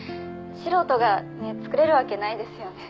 素人がねっ作れるわけないですよね。